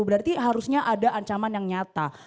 berarti harusnya ada ancaman yang nyata